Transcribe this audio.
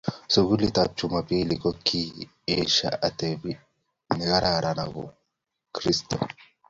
Sukulit ab jumambili kokiesha atepto ne kararan ab kirsto